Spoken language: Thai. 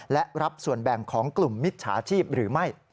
และรับส่วนแบ่งของกลุ่มมิจฉาชีพหรือไม่